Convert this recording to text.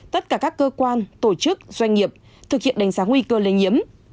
tất cả các cơ quan tổ chức doanh nghiệp thực hiện đánh giá nguy cơ lây nhiễm